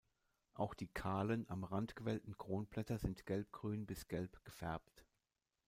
Auch die kahlen, am Rand gewellten Kronblätter sind gelbgrün bis gelb gefärbt.